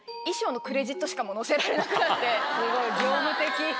すごい業務的。